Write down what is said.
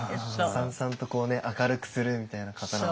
さんさんと明るくするみたいな方だと。